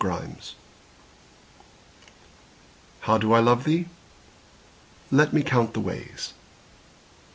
XLIII How do I love thee? Let me count the ways.